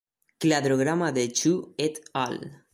Cladograma de Xu "et al.